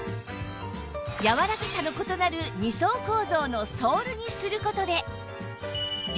やわらかさの異なる２層構造のソールにする事で